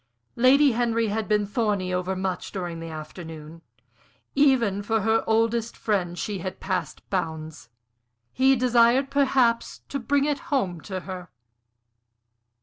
Lady Henry had been thorny over much during the afternoon; even for her oldest friend she had passed bounds; he desired perhaps to bring it home to her.